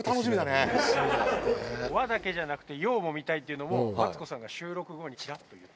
和だけじゃなくて洋も見たいっていうのをマツコさんが収録後にチラッと言ったんです。